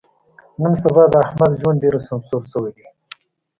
نن سبا د احمد ژوند ډېر سمسور شوی دی.